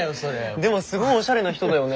でもすごいおしゃれな人だよね？